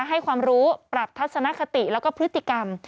ให้ความรู้ปรับทัศนคติแล้วก็พฤติกรรม